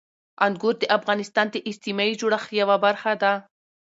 انګور د افغانستان د اجتماعي جوړښت یوه برخه ده.